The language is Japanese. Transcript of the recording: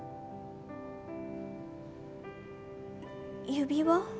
指輪？